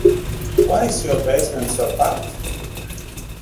Why is your basement so packed?